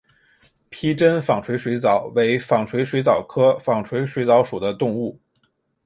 披针纺锤水蚤为纺锤水蚤科纺锤水蚤属的动物。